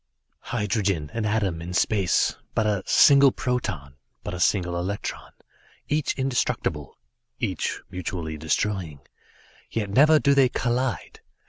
"Hydrogen, an atom in space; but a single proton; but a single electron; each indestructible; each mutually destroying. Yet never do they collide.